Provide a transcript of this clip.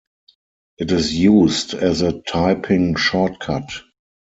It is used as a typing shortcut.